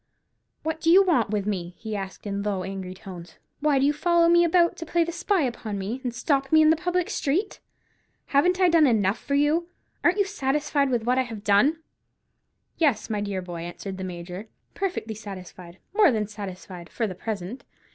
"What do you want with me?" he asked, in low angry tones; "why do you follow me about to play the spy upon me, and stop me in the public street? Haven't I done enough for you? Ain't you satisfied with what I have done?" "Yes, dear boy," answered the Major, "perfectly satisfied, more than satisfied—for the present.